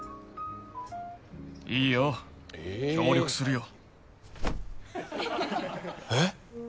いいよ。協力するよ。え？